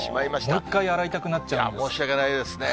もう一回洗いたくなっちゃう申し訳ないですね。